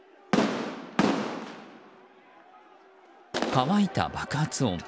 乾いた爆発音。